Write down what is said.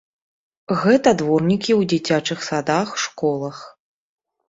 Гэта дворнікі ў дзіцячых садах, школах.